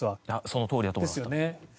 そのとおりだと思います。ですよね。